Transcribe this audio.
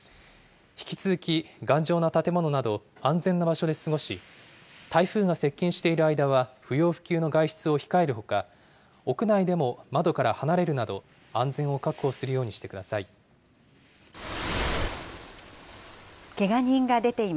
引き続き、頑丈な建物など、安全な場所で過ごし、台風が接近している間は不要不急の外出を控えるほか、屋内でも窓から離れるなど、安全を確保するようにしてください。